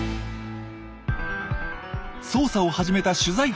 捜査を始めた取材班。